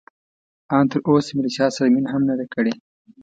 ان تراوسه مې له چا سره مینه هم نه ده کړې.